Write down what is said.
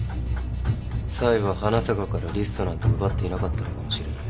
サイは花坂からリストなんて奪っていなかったのかもしれない。